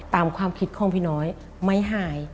ตามความคิดของพี่น้อยไม่หาย